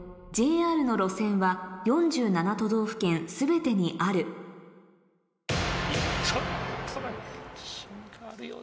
ＪＲの路線は４７都道府県全てにあるいや